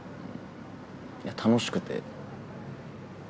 いや楽しくて。